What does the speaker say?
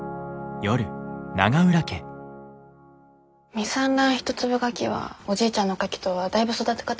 未産卵一粒ガキはおじいちゃんのカキとはだいぶ育て方が違うよ。